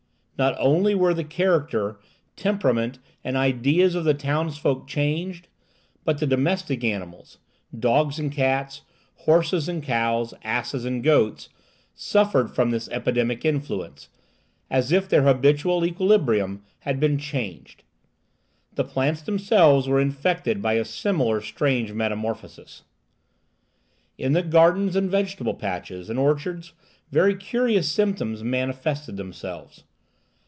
Not only were the character, temperament, and ideas of the townsfolk changed, but the domestic animals—dogs and cats, horses and cows, asses and goats—suffered from this epidemic influence, as if their habitual equilibrium had been changed. The plants themselves were infected by a similar strange metamorphosis. In the gardens and vegetable patches and orchards very curious symptoms manifested themselves.